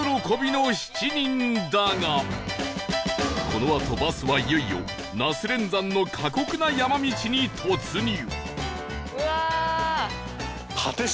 このあとバスはいよいよ那須連山の過酷な山道に突入